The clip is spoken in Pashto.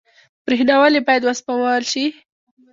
برښنا ولې باید وسپمول شي؟